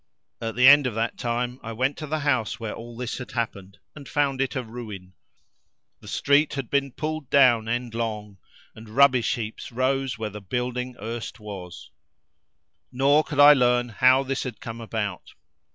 At the end of that time I went to the house where all this had happened and found it a ruin; the street had been pulled down endlong and rubbish heaps rose where the building erst was; nor could I learn how this had come about.